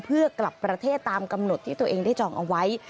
เพื่อกลับประเทศตามกำหนดที่ตัวเองได้จองเอาไว้